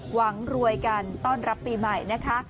หวังรวยกันต้อนรับปีใหม่นะคะ